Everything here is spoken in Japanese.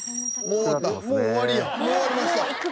もう終わりました。